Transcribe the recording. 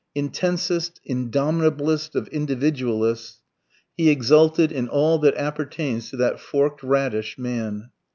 Intensest, indomitablest of individualists, he exulted in all that appertains to that forked radish, Man.